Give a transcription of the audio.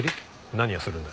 何やするんだ？